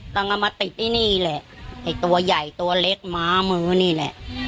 ต้องเอามาติดที่นี่แหละไอ้ตัวใหญ่ตัวเล็กม้ามือนี่แหละ